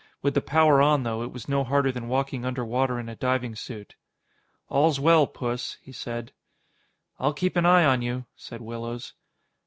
With the power on, though, it was no harder than walking underwater in a diving suit. "All's well, Puss," he said. "I'll keep an eye on you," said Willows.